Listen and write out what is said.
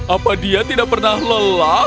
apa dia tidak pernah lelah